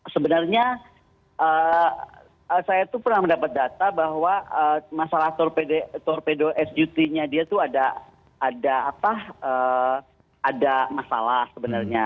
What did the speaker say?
sebenarnya saya tuh pernah mendapat data bahwa masalah torpedo sut nya dia tuh ada masalah sebenarnya